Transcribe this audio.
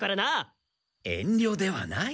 遠りょではない。